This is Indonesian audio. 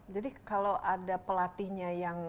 jadi kalau ada pelatihnya yang